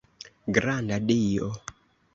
Granda Dio!